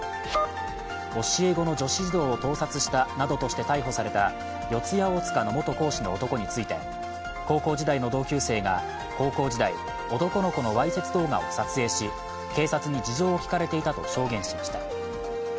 教え子の女子児童を盗撮したなどとして逮捕された四谷大塚の元講師の男について、高校時代の同級生が高校時代、男の子のわいせつ動画を撮影し、警察に事情を聴かれていたと証言しました。